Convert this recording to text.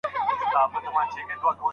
ستا بچي به هم رنګین وي هم ښاغلي